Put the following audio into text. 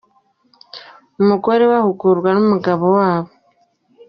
Umugore we ahungurwa n’umugabo wabo